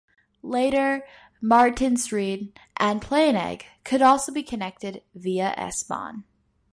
Later, Martinsried and Planegg could also be connected via S-Bahn.